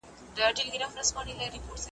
چي راجلا یم له شنو سیندونو `